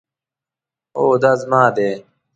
هو، دا زما دی